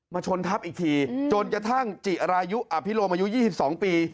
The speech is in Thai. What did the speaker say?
ชนทับอีกทีจนกระทั่งจิรายุอภิโรมอายุ๒๒ปี